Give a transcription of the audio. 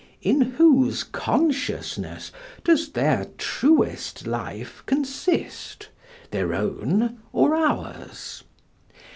In whose consciousness does their truest life consist their own, or ours?